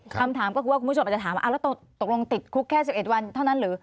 คำถามก็คือว่าคุณผู้ชมอาจจะถามว่าแล้วตกลงติดคุกแค่๑๑วันเท่านั้นหรือ